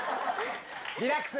リラックス！